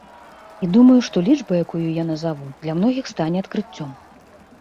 І, думаю, што лічба, якую я назаву, для многіх стане адкрыццём.